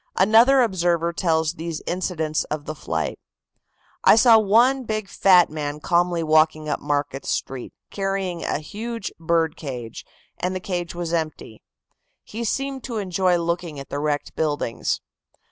Another observer tells these incidents of the flight: "I saw one big fat man calmly walking up Market Street, carrying a huge bird cage, and the cage was empty. He seemed to enjoy looking at the wrecked buildings.